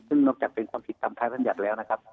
ซึ่งนอกจากเป็นความผิดตามพระราชบัญญัติแล้วนะครับ